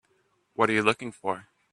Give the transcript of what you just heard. What are you looking for?